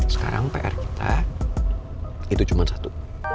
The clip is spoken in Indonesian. sekarang pr kita itu cuma satu